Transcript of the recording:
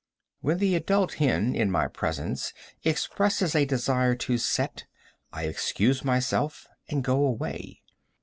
When the adult hen in my presence expresses a desire to set I excuse myself and go away.